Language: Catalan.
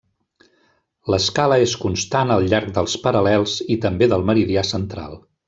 L'escala és constant al llarg dels paral·lels i també del meridià central.